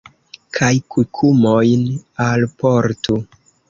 Kaj kukumojn alportu.